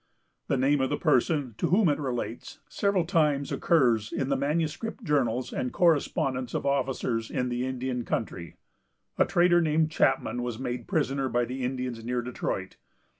The name of the person, to whom it relates, several times occurs in the manuscript journals and correspondence of officers in the Indian country. A trader named Chapman was made prisoner by the Indians near Detroit.